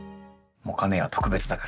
もか姉は特別だから。